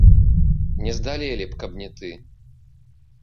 Не здалелі б, каб не ты.